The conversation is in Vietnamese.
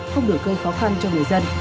không được gây khó khăn cho người dân